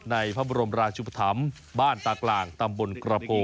ในพระบรมราชุปธรรมบ้านตากลางตำบลกระโพ